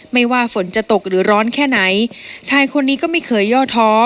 ไม่ว่าฝนจะตกหรือร้อนแค่ไหนชายคนนี้ก็ไม่เคยย่อท้อ